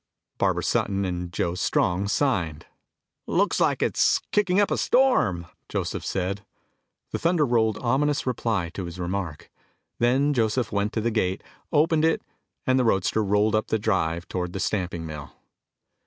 Barbara Sutton and Joe Strong signed. "Looks like it's kicking up a storm," Joseph said. The thunder rolled ominous reply to his remark. Then Joseph went to the gate, opened it, and the roadster rolled up the drive toward the stamping mill.